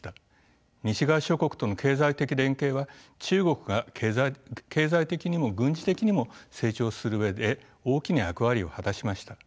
西側諸国との経済的連携は中国が経済的にも軍事的にも成長する上で大きな役割を果たしました。